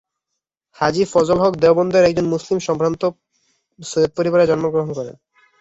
হাজী ফজল হক দেওবন্দের এক মুসলিম সম্ভ্রান্ত সৈয়দ পরিবারে জন্মগ্রহণ করেন।